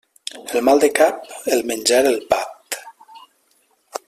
El mal de cap, el menjar el bat.